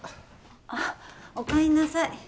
あっおかえりなさい。